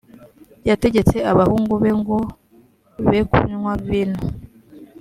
yategetse abahungu be ngo be kunywa vino